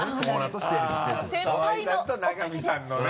澤井さんと永見さんのね